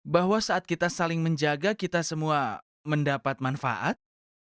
bahwa saat kita saling menjaga kita semua mendapat manfaat